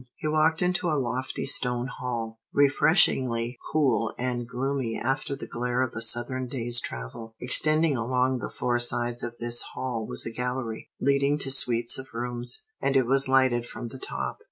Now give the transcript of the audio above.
He walked into a lofty stone hall, refreshingly cool and gloomy after the glare of a Southern day's travel. Extending along the four sides of this hall was a gallery, leading to suites of rooms; and it was lighted from the top.